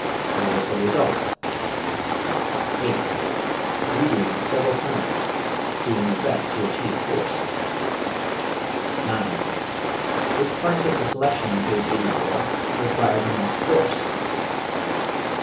What is the result? 8. Reread several times, doing your best to achieve force. 9. Which parts of the selection on page 84 require the most force? 10.